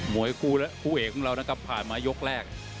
มวยผู้เอกของเราก็ผ่านมายกแรก